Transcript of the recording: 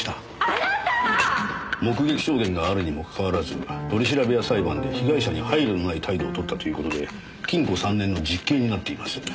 目撃証言があるにもかかわらず取り調べや裁判で被害者に配慮のない態度をとったという事で禁固３年の実刑になっています。